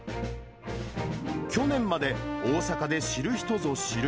去年まで、大阪で知る人ぞ知る